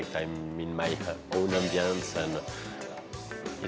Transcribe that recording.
saya berada di dalam ambience saya sendiri